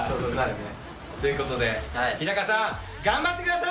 ということで日高さん、頑張ってください！